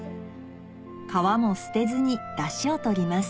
皮も捨てずにダシを取ります